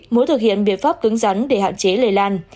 muốn thực hiện biện pháp cứng rắn để hạn chế lây lan